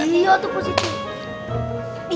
iya tuh positif